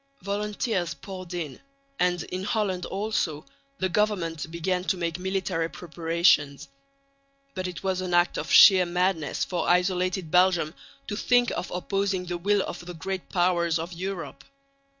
Volunteers poured in; and in Holland also the government began to make military preparations. But it was an act of sheer madness for isolated Belgium to think of opposing the will of the Great Powers of Europe.